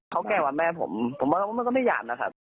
เขาแก่ว่าแม่ผมผมว่าเขาไม่ก็หยาบนะครับ